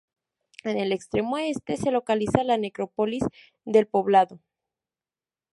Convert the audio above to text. En el extremo Este se localiza la necrópolis del Poblado.